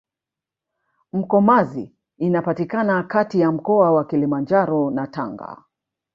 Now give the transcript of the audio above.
mkomazi inapatikana Kati ya mkoa wa kilimanjaro na tanga